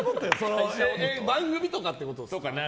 番組とかってことですか？